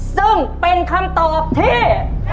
ซึ่งเป็นคำตอบที่